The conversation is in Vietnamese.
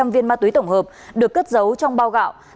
hai trăm linh viên ma túy tổng hợp được cất giấu trong bao gạo